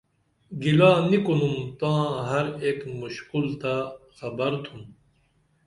گِلا نی کُنُم تاں ہرایک مُشکُل تہ خبر تُھم